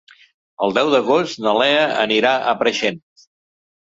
El deu d'agost na Lea anirà a Preixens.